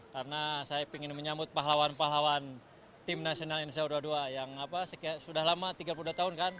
karena saya ingin menyambut pahlawan pahlawan tim nasional indonesia u dua puluh dua yang sudah lama tiga puluh dua tahun kan